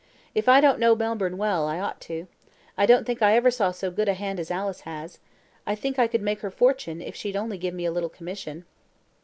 If I don't know Melbourne well, I ought to. I don't think I ever saw so good a hand as Alice has. I think I could make her fortune, if she'd only give me a little commission."